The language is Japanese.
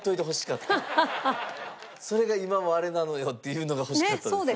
「それが今もあれなのよ」っていうのが欲しかったです。